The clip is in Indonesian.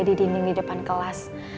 di dinding di depan kelas